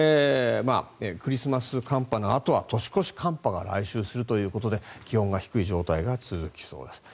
クリスマス寒波のあとは年越し寒波が来襲するということで気温が低い状態が続くということです。